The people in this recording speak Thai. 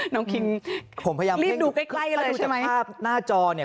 น้องคิงผมพยายามรีบดูใกล้ใกล้เลยใช่ไหมถ้าดูจากภาพหน้าจอเนี่ย